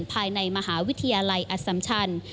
ภายในมหาวิทยาลัยอสัมชัน